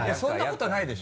そんなことないよ